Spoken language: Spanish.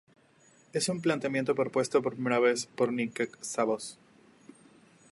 Es un planteamiento propuesto por primera vez por Nick Szabo.